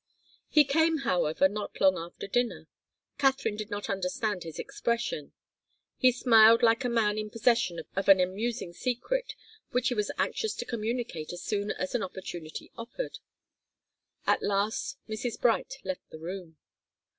He came, however, not long after dinner. Katharine did not understand his expression. He smiled like a man in possession of an amusing secret which he was anxious to communicate as soon as an opportunity offered. At last Mrs. Bright left the room.